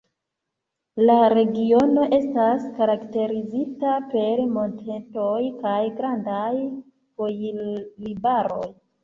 La regiono estas karakterizita per montetoj kaj grandaj foliarbaroj.